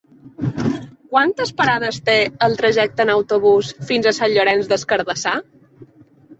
Quantes parades té el trajecte en autobús fins a Sant Llorenç des Cardassar?